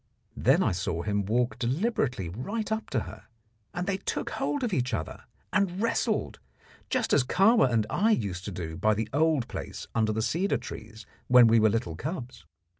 Then I saw him walk deliberately right up to her, and they took hold of each other and wrestled, just as Kahwa and I used to do by the old place under the cedar trees when we were little cubs.